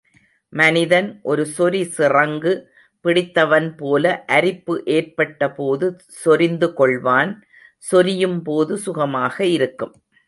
மனிதன் ஒரு சொரிசிறங்கு பிடித்தவன்போல அரிப்பு ஏற்பட்டபோது சொரிந்து கொள்வான் சொரியும்போது சுகமாக இருக்கும்.